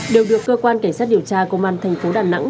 đều được cơ quan cảnh sát điều tra công an thành phố đà nẵng